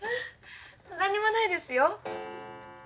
何もないですよ。